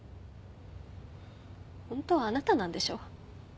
ホントはあなたなんでしょ？